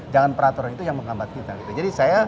jangan peraturan itu yang menghambat kita